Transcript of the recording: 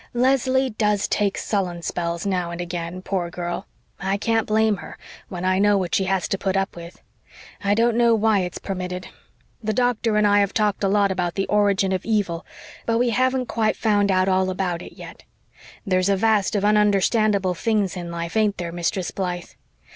Leslie DOES take sullen spells now and again, poor girl. I can't blame her, when I know what she has to put up with. I don't know why it's permitted. The doctor and I have talked a lot abut the origin of evil, but we haven't quite found out all about it yet. There's a vast of onunderstandable things in life, ain't there, Mistress Blythe?